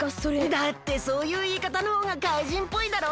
だってそういういいかたのほうがかいじんっぽいだろ？